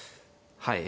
はい。